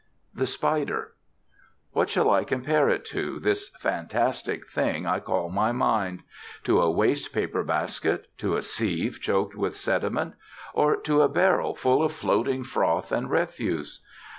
THE SPIDER What shall I compare it to, this fantastic thing I call my Mind? To a waste paper basket, to a sieve choked with sediment, or to a barrel full of floating froth and refuse?